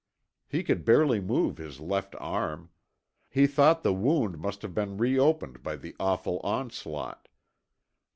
He could barely move his left arm. He thought the wound must have been reopened by the awful onslaught.